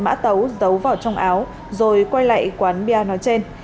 nhã tâm thầm về nhà lấy một mã tấu vào trong áo rồi quay lại quán bia nó trên